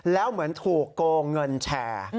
แล้วเหมือนถูกโกงเงินแชร์